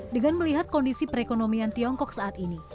dengan melihat kondisi perekonomian tiongkok saat ini